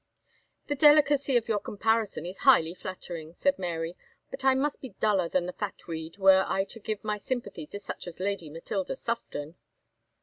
"The delicacy of your comparison is highly flattering," said Mary; "but I must be duller than the fatweed were I to give my sympathy to such as Lady Matilda Sufton."